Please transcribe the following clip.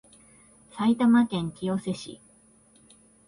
埼玉県清瀬市